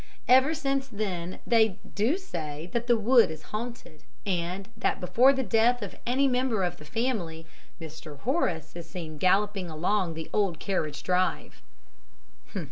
Ever since then they do say that the wood is haunted, and that before the death of any member of the family Mr. Horace is seen galloping along the old carriage drive.'